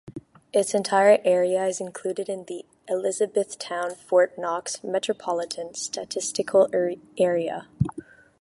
Its entire area is included in the Elizabethtown-Fort Knox Metropolitan Statistical Area.